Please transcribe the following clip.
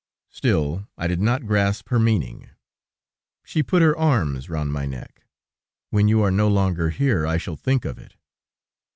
Still I did not grasp her meaning; she put her arms round my neck. "When you are no longer here, I shall think of it."